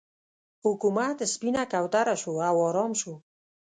حکومت سپینه کوتره شو او ارام شو.